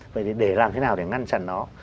vậy thì để làm thế nào để ngăn chặn nó